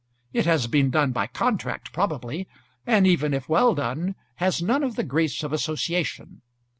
It has been done by contract, probably, and even if well done has none of the grace of association.